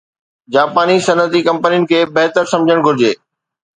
جاپاني صنعتي ڪمپنين کي بهتر سمجهڻ گهرجي